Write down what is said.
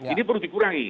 ini perlu dikurangi